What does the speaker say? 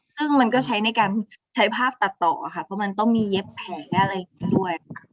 ซึ่งมันก็ใช้ในการใช้ภาพตัดต่อค่ะเพราะมันต้องมีเย็บแผลอะไรอย่างนี้ด้วย